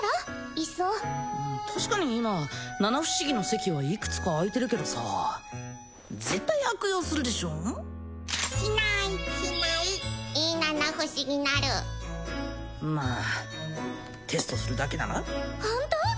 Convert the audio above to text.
いっそ確かに今七不思議の席はいくつか空いてるけどさあ絶対悪用するでしょしないしないいい七不思議なるまあテストするだけならホント！？